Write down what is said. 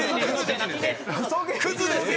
クズですよ。